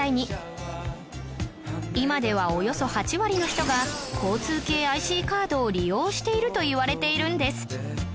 今ではおよそ８割の人が交通系 ＩＣ カードを利用しているといわれているんです